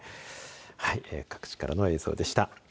各地からの映像でした。